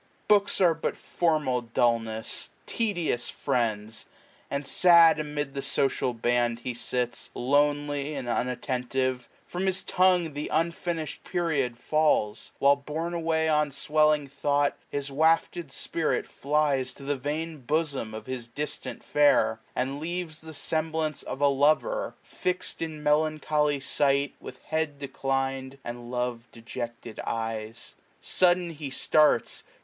Books are but formal dullness, tedious friends ; And sad amid the social band he sits, \ Lonely, and unattentive. From his tongue 1015 Th* unfinish'd period falls : while borne away On swelling thought, his wafted spirit flies To the vain bosom of his distant fair ; And leaves the semblance of a lover, fix'd In melancholy site, with head declined, 1020 And love dejected eyes. Sudden he starts.